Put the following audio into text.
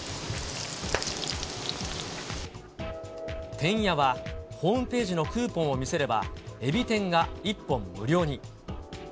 てんやは、ホームページのクーポンを見せれば、えび天が１本無料に。